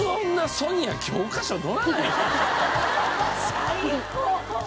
最高！